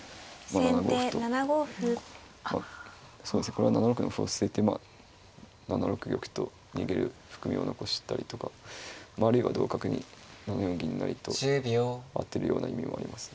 これは７六の歩を捨ててまあ７六玉と逃げる含みを残したりとかあるいは同角に７四銀成と当てるような意味もあります。